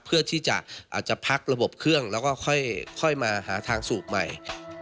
เพื่อที่จะอาจจะพักระบบเครื่องแล้วก็ค่อยมาหาทางสูบใหม่